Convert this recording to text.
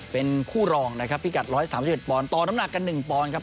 เป็นคู่รองนะครับพิกัดร้อยสามสิบเอ็ดปอนต่อน้ำหนักกันหนึ่งปอนครับ